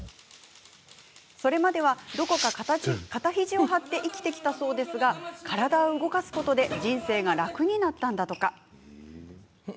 それまでは、どこか肩ひじを張って生きてきたそうですが体を動かすことで人生が楽になったんだとか。